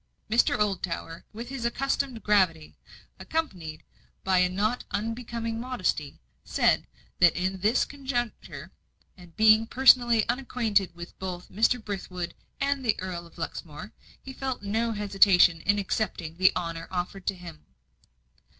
Mr. Oldtower, with his accustomed gravity, accompanied by a not unbecoming modesty, said, that in this conjuncture, and being personally unacquainted with both Mr. Brithwood and the Earl of Luxmore, he felt no hesitation in accepting the honour offered to him.